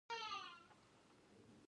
آیا دا یو ښه کار نه دی؟